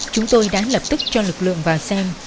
chúng tôi đã lập tức cho lực lượng vào xem